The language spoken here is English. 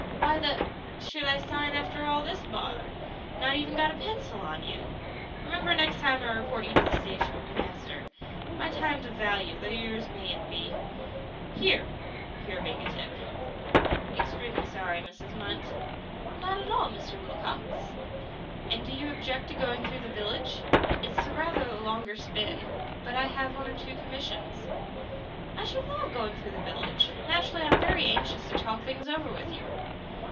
Why the should I sign after all this bother? Not even got a pencil on you? Remember next time I report you to the station master. My time's of value, though yours mayn't be. Here" here being a tip. "Extremely sorry, Mrs. Munt." "Not at all, Mr. Wilcox." "And do you object to going through the village? It is rather a longer spin, but I have one or two commissions." "I should love going through the village. Naturally I am very anxious to talk things over with you."